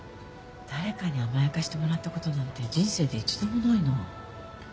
誰かに甘やかしてもらったことなんて人生で一度もないな。